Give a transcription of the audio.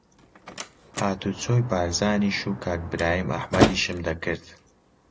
هاتوچۆی بارزانیش و کاک برایم ئەحمەدیشم دەکرد